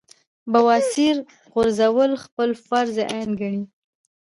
بواسير غورزول خپل فرض عېن ګڼي -